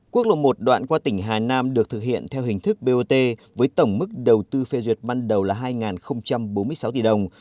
quốc lộ một đoạn qua tỉnh hà nam được thực hiện theo hình thức bot với tổng mức đầu tư phê duyệt ban đầu là hai bốn mươi sáu tỷ đồng